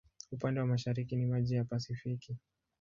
Upande wa mashariki ni maji ya Pasifiki.